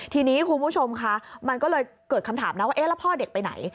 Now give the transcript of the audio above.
ทีนี้คุณผู้ชมคะมันก็เลยเกิดคำถามนะว่าเอ๊ะแล้วพ่อเด็กไปไหน